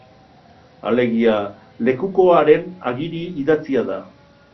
Alegia, lekukoaren agiri idatzia da.